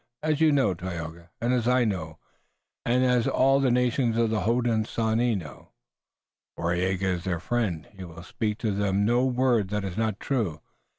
As you know, Tayoga, as I know, and, as all the nations of the Hodenosaunee know, Waraiyageh is their friend. He will speak to them no word that is not true.